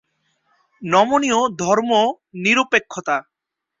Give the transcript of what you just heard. নমনীয় ধর্মনিরপেক্ষতা।